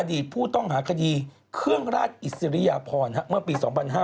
ผู้ต้องหาคดีเครื่องราชอิสริยพรเมื่อปี๒๕๕๙